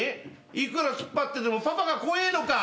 いくらツッパっててもパパが怖えのか？